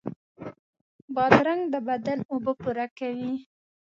بادرنګ د بدن اوبه پوره کوي.